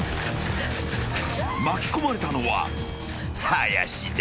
［巻き込まれたのは林だ］